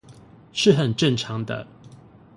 是很正常的